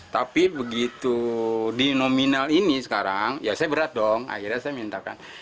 tapi begitu di nominal ini sekarang ya saya berat dong akhirnya saya mintakan